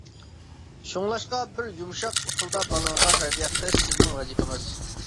شۇڭلاشقا بىر يۇمشاق ئۇسۇلدا بالىڭىزغا تەربىيە قىلىش سىزنىڭ ۋەزىپىڭىز.